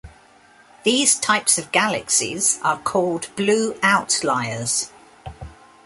These types of galaxies are called "blue outliers".